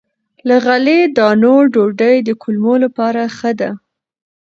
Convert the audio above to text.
له غلې- دانو ډوډۍ د کولمو لپاره ښه ده.